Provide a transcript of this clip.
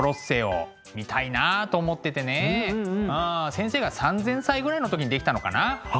先生が３，０００歳ぐらいの時に出来たのかな。